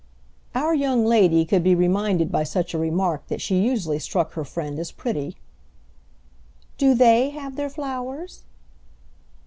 Our young lady could be reminded by such a remark that she usually struck her friend as pretty. "Do they have their flowers?"